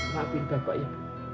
maafin bapak ya